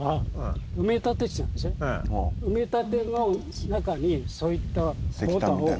埋め立ての中にそういったボタを。